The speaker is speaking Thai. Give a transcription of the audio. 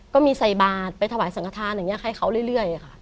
ก็มีใส่บาทไปถวายสังฆฐานอย่างนี้ให้เขาเรื่อยค่ะ